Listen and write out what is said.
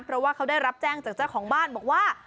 เพราะว่าเขาได้รับแจ้งจากเจ้าของบ้านบอกว่า